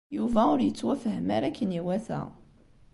Yuba ur yettwafhem ara akken iwata.